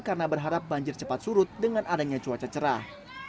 karena berharap banjir cepat surut dengan adanya cuaca cerah